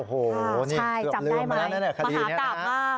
โอ้โหนี่เกือบลืมมาแล้วคดีนี้จำได้ไหมมหากาบมาก